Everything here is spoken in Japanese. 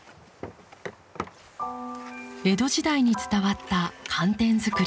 江戸時代に伝わった寒天作り。